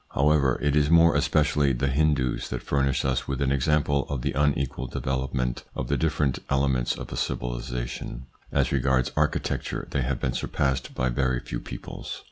However, it is more especially the Hindoos that furnish us with an example of the unequal develop ment of the different elements of a civilisation. As regards architecture they have been surpassed by very few peoples.